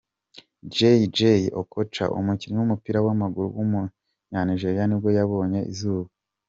Jay-Jay Okocha, umukinnyi w’umupira w’amaguru w’umunyanigeriya nibwo yabonye izuba.